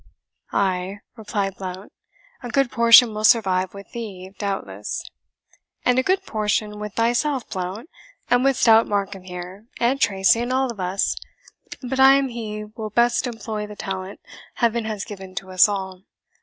"Ay," replied Blount, "a good portion will survive with thee, doubtless." "And a good portion with thyself, Blount, and with stout Markham here, and Tracy, and all of us. But I am he will best employ the talent Heaven has given to us all."